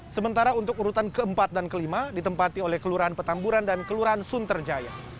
sementara untuk urutan keempat dan kelima ditempati oleh kelurahan petamburan dan kelurahan sunterjaya